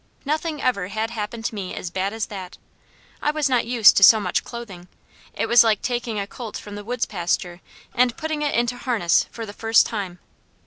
Nothing ever had happened to me as bad as that. I was not used to so much clothing. It was like taking a colt from the woods pasture and putting it into harness for the first time.